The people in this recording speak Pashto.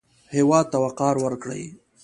هېواد ته وقار ورکړئ